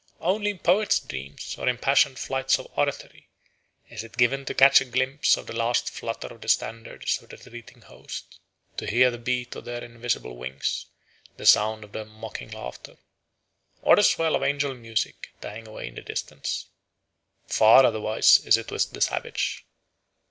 Only in poets' dreams or impassioned flights of oratory is it given to catch a glimpse of the last flutter of the standards of the retreating host, to hear the beat of their invisible wings, the sound of their mocking laughter, or the swell of angel music dying away in the distance. Far otherwise is it with the savage.